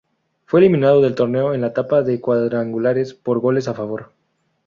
Fue eliminado del torneo en la etapa de cuadrangulares por goles a favor.